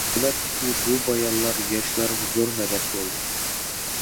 دوكلاتتىكى بۇ بايانلار ياشلارغا زور مەدەت بولدى.